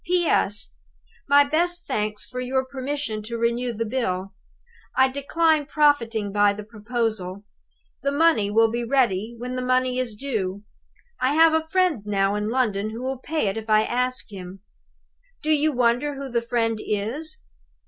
G." "P. S. My best thanks for your permission to renew the bill. I decline profiting by the proposal. The money will be ready when the money is due. I have a friend now in London who will pay it if I ask him. Do you wonder who the friend is?